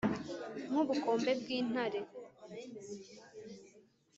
nk'ubukombe bw'intare